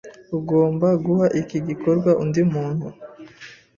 Ugomba guha iki gikorwa undi muntu.